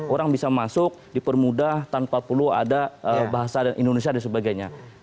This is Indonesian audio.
orang bisa masuk dipermudah tanpa perlu ada bahasa indonesia dan sebagainya